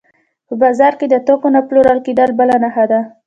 په بازار کې د توکو نه پلورل کېدل بله نښه ده